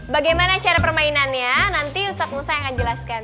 bagaimana cara permainannya nanti ustadz musa yang akan jelaskan